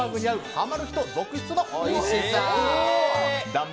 ハマる人続出のおいしさ。